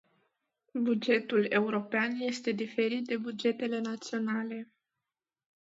Bugetul european este diferit de bugetele naționale.